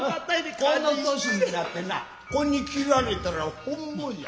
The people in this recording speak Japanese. この年になってな子に斬られたら本望じゃ。